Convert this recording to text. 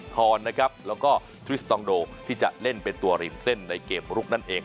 นะครับแล้วก็ทริสตองโดที่จะเล่นเป็นตัวริมเส้นในเกมลุกนั่นเอง